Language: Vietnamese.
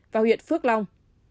và huyện phước long